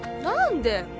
何で？